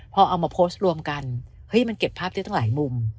พอเอามาโพสต์รวมกันเฮ้ยมันเก็บภาพได้ตั้งหลายมุม